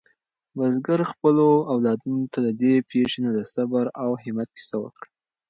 بزګر خپلو اولادونو ته د دې پېښې نه د صبر او همت کیسه وکړه.